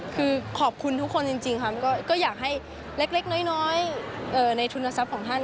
คือขอบคุณทุกคนจริงครับก็อยากให้เล็กน้อยในทุนทรัพย์ของท่าน